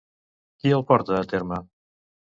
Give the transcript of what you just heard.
Qui el porta a terme?